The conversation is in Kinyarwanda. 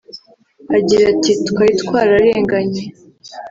Agira ati “Twari twararenganye